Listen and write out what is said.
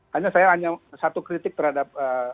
hanya saya hanya satu kritik terhadap